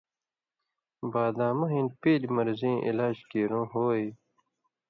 بادامہ ہِن پیلیۡ مرضیں علاج کیرُوں ہو یی؟